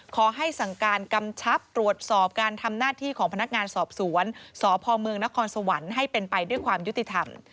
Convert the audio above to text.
ขอให้สั่งการกำชับตรวจสอบการทำหน้าที่ของพนักงานสอบสวนสพเมืองนครสวรรค์ให้เป็นไปด้วยความยุติธรรม